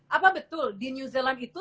apa betul di new zealand itu